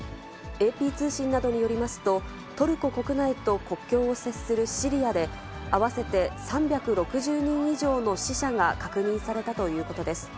ＡＰ通信などによりますと、トルコ国内と国境を接するシリアで、合わせて３６０人以上の死者が確認されたということです。